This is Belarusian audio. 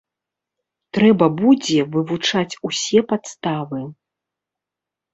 Трэба будзе вывучаць усе падставы.